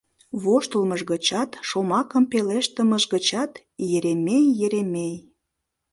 Воштылмыж гычат, шомакым пелештымыж гычат — Еремей, Еремей.